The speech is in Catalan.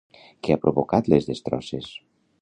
Què ha provocat les destrosses?